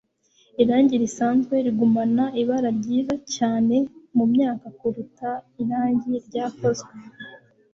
irangi risanzwe rigumana ibara ryiza cyane mumyaka kuruta irangi ryakozwe